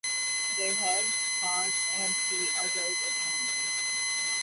Their heads, paws, and feet are those of animals.